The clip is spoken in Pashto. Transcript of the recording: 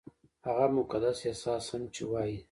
هغه مقدس احساس هم چې وايي-